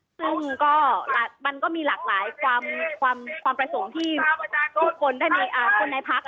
ซึ่งก็มันก็มีหลากหลายความประสงค์ที่คนในพัก